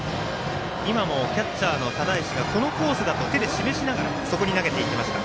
キャッチャーの只石がこのコースだと手で示しながらそこに投げていきました。